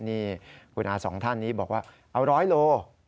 นี่คุณอาสองท่านนี้บอกว่าเอา๑๐๐โล